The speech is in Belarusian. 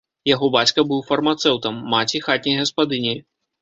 Яго бацька быў фармацэўтам, маці хатняй гаспадыняй.